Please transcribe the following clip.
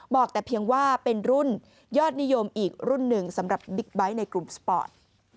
บอกแต่เพียงว่าเป็นรุ่นยอดนิยมอีกรุ่นหนึ่งสำหรับบิ๊กไบท์ในกลุ่มสปอร์ต